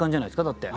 だって。